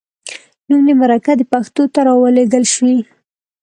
نوم دې مرکه د پښتو ته راولیږل شي.